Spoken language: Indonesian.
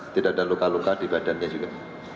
tidak ada luka luka di badannya juga